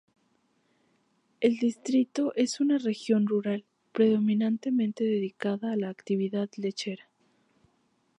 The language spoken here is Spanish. El distrito es una región rural, predominantemente dedicada a la actividad lechera.